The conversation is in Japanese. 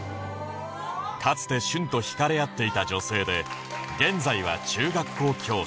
かつて舜と惹かれ合っていた女性で現在は中学校教師